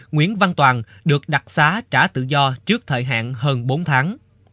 nguyễn văn toàn được đặc xá trả tự do trước thời hạn hơn bốn tháng